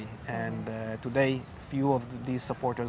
yang kami dapatkan dari semua orang